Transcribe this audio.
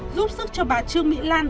giúp sức cho bà trương mỹ lan